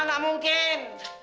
kan ada cerita